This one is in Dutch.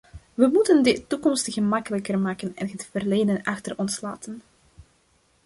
We moeten de toekomst gemakkelijker maken en het verleden achter ons laten.